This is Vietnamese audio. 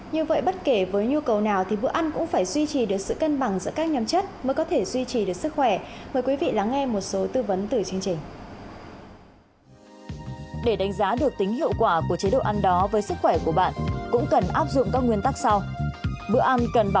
như vậy bất kể với nhu cầu nào thì bữa ăn cũng phải duy trì được sự cân bằng giữa các nhóm chất mới có thể duy trì được sức khỏe